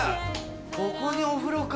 ここにお風呂か。